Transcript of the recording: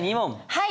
はい。